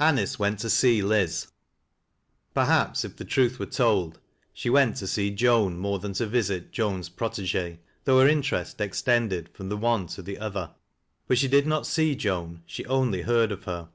Anick ftCiit to see Liz. Perhaps if the truth were lold elie weut to see Joan more than to visit Joan's protegde^ f.hough lier interest extended from the one to the otlier. But she did not see Joan, she onlj' heard of her.